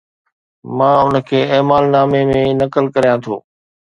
مان ان کي اعمال نامي ۾ نقل ڪريان ٿو